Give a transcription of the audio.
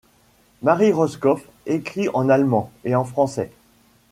Marie Rotkopf écrit en allemand et en français.